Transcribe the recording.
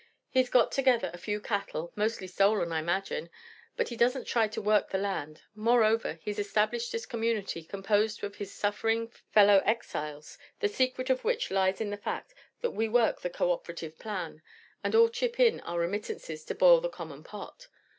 He's got together a few cattle, mostly stolen I imagine; but he doesn't try to work the land. Moreover he's established this community, composed of his suffering fellow exiles, the secret of which lies in the fact that we work the cooperative plan, and all chip in our remittances to boil the common pot.